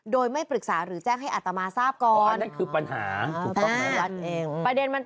โดยไม่ปรึกษาหรือแจ้งให้อัตมาทราบก่อนคือปัญหาประเด็นมัน